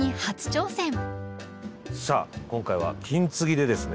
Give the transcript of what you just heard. さあ今回は金継ぎでですね